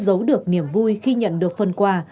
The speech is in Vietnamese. giấu được niềm vui khi nhận được phần quà